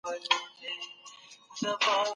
د جرګي په فضا کي به د اخلاص او محبت نښي وي.